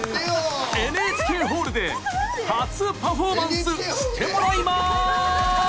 ＮＨＫホールで初パフォーマンスしてもらいます。